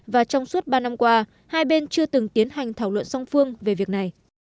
và trong suốt ba năm qua hai bên chưa từng tiến hành thảo luận song phương về việc này